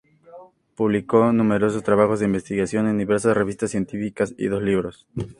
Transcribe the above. Publicó numerosos trabajos de investigación en diversas revistas científicas y dos libros.